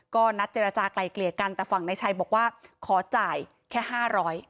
ก็นัดเจรจากลายเกลี่ยกันแต่ฝั่งนายชัยบอกว่าขอจ่ายแค่ห้าร้อย